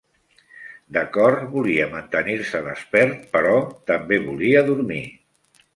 De cor, volia mantenir-se despert, però també volia dormir.